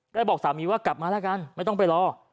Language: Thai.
ก็บอกสามีว่ากลับมาแล้วกันไม่ต้องไปรอ